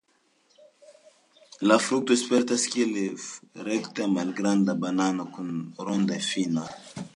La frukto aspektas kiel rekta, malgranda banano kun rondaj finoj.